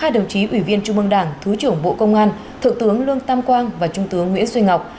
hai đồng chí ủy viên trung mương đảng thứ trưởng bộ công an thượng tướng lương tam quang và trung tướng nguyễn duy ngọc